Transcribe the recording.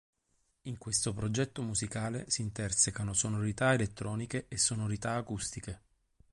In questo progetto musicale si intersecano sonorità elettroniche e sonorità acustiche.